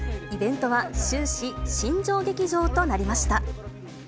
イベントは終始、新庄劇場となりました。